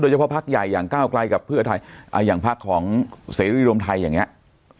เฉพาะพักใหญ่อย่างก้าวไกลกับเพื่อไทยอย่างพักของเสรีรวมไทยอย่างนี้